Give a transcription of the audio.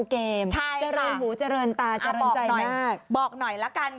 ผมเห็นการเปลี่ยนแปลงของประเทศไทยมาแล้วหลายครั้งครับ